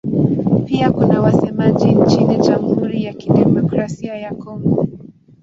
Pia kuna wasemaji nchini Jamhuri ya Kidemokrasia ya Kongo.